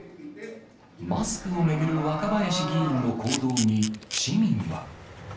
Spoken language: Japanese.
マスクを巡る若林議員の行動に市民は。